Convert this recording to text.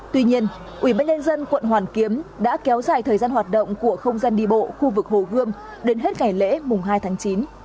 tuy nhiên ubnd quận hoàn kiếm đã kéo dài thời gian hoạt động của không gian đi bộ khu vực hồ gươm đến hết ngày lễ mùng hai tháng chín